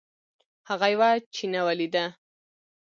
هغه یوه چینه ولیده.